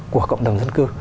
của cộng đồng dân cư